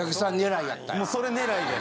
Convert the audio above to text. もうそれ狙いで。